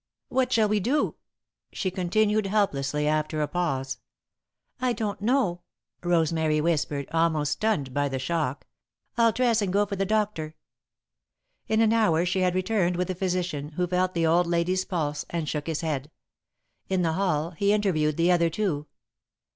What shall we do?" she continued, helplessly, after a pause. [Sidenote: A Lie] "I don't know," Rosemary whispered, almost stunned by the shock. "I'll dress and go for the doctor." In an hour she had returned with the physician, who felt the old lady's pulse, and shook his head. In the hall, he interviewed the other two.